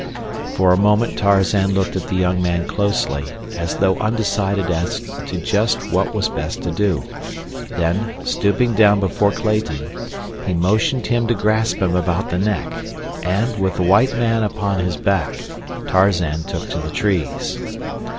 For a moment Tarzan looked at the young man closely, as though undecided as to just what was best to do; then, stooping down before Clayton, he motioned him to grasp him about the neck, and, with the white man upon his back, Tarzan took to the trees.